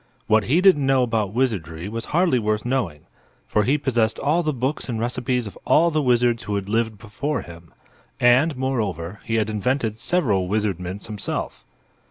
What he didn't know about wizardry was hardly worth knowing, for he possessed all the books and recipes of all the wizards who had lived before him; and, moreover, he had invented several wizardments himself.